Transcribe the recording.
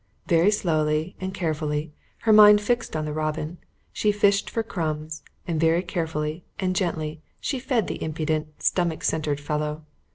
Very slowly and carefully, her mind fixed on the robin, she fished for crumbs and very carefully and gently she fed the impudent, stomach centred fellow.